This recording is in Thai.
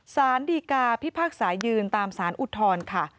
สารดีกาพิพากษายืนตามสารอุทธรณ์ค่ะ